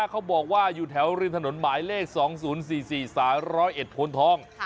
เขาบอกว่าอยู่แถวริมถนนหมายเลข๒๐๔๔สาย๑๐๑โพนทอง